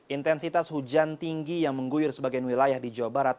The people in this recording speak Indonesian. intensitas hujan tinggi yang mengguyur sebagian wilayah di jawa barat